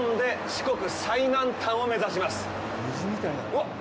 うわっ！